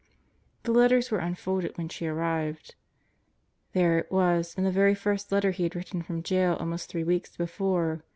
The letters were unfolded when she arrived. There it was in the very first letter he had written from jail almost three weeks before.